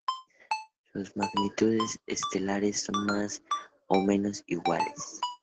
Sus magnitudes estelares son más o menos iguales.